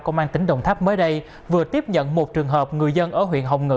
công an tp hcm mới đây vừa tiếp nhận một trường hợp người dân ở huyện hồng ngự